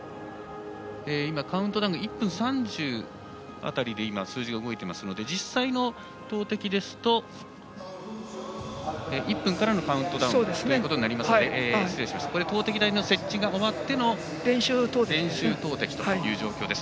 カウントダウンが１分３０秒辺りで数字が動いていますので実際の投てきですと１分からのカウントダウンとなりますので投てき台の設置が終わっての練習投てきという状況です。